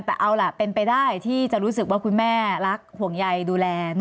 แต่เอาล่ะเป็นไปได้ที่จะรู้สึกว่าคุณแม่รักห่วงใยดูแล